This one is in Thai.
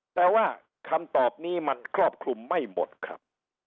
แต่ว่าคำตอบนี้มันครอบคลุมไม่หมดครับ